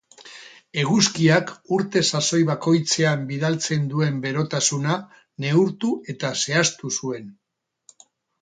Eguzkiak urte-sasoi bakoitzean bidaltzen duen berotasuna neurtu eta zehaztu zuen.